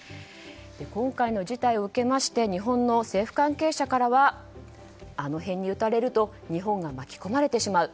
今回の事態を受けまして日本の政府関係者からはあの辺に撃たれると日本が巻き込まれてしまう。